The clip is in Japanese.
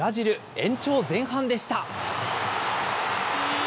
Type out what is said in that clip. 延長前半でした。